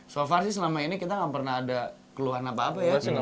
so far sih selama ini kita nggak pernah ada keluhan apa apa ya